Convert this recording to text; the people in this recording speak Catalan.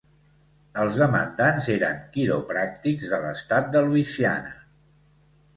Els demandants eren quiropràctics de l'estat de Louisiana.